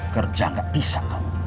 kerja gak bisa